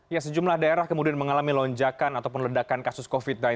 ya sejumlah daerah kemudian mengalami lonjakan ataupun ledakan kasus covid sembilan belas